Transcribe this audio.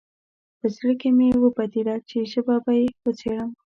په زړه کې مې وپتېیله چې ژبه به یې وڅېړم.